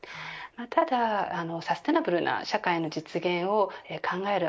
ただサステイナブルな社会の実現を考える